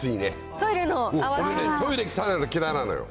トイレ汚いの嫌いなの。